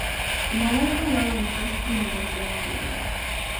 The molars were low and the first premolars elongated.